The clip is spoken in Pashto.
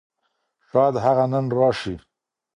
شايد هغه نن راشي.